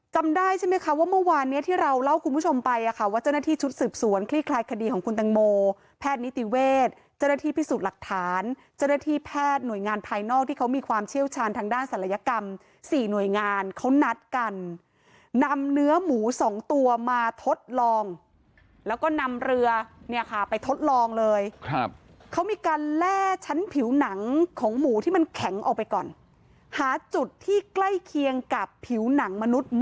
จำได้ใช่ไหมคะว่าเมื่อวานเนี้ยที่เราเล่าคุณผู้ชมไปอะคะว่าเจ้าหน้าที่ชุดสืบสวนคลี่คลายคดีของคุณตังโมแพทย์นิติเวทย์เจ้าหน้าที่พิสูจน์หลักฐานเจ้าหน้าที่แพทย์หน่วยงานภายนอกที่เขามีความเชี่ยวชาญทางด้านศัลยกรรมสี่หน่วยงานเขานัดกันนำเนื้อหมูสองตัวมาทดลองแล้วก็นำเรือเนี่ยค่ะไป